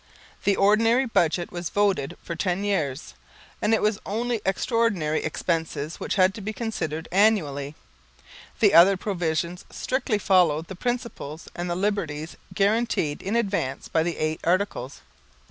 The ordinary budget was voted for ten years, and it was only extraordinary expenses which had to be considered annually. The other provisions strictly followed the principles and the liberties guaranteed in advance by the Eight Articles.